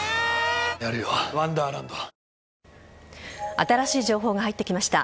新しい情報が入ってきました。